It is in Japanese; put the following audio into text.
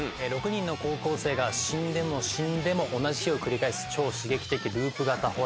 ６人の高校生が死んでも死んでも同じ日を繰り返す超刺激的ループ型ホラーです。